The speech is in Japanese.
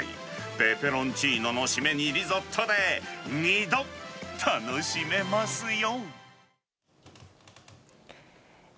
ペペロンチーノの締めにリゾットで、２度楽しめますよ。